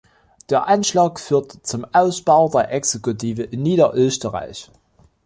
Der Anschlag führte zum Ausbau der Exekutive in Niederösterreich.